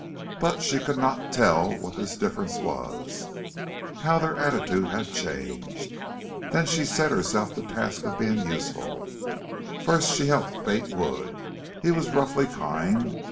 But she could not tell what this difference was how their attitude had changed. Then she set herself the task of being useful. First she helped Bate Wood. He was roughly kind.